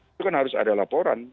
itu kan harus ada laporan